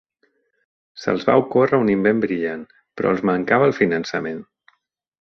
Se'ls va ocórrer un invent brillant però els mancava el finançament.